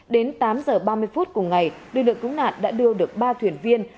đến tám h ba mươi phút cùng ngày lực lượng cứu nạn đã đưa được ba thuyền viên